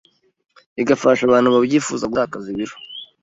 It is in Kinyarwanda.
igafasha abantu babyifuza gutakaza ibiro